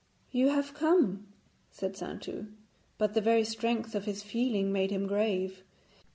'You have come,' said Saintou; but the very strength of his feeling made him grave.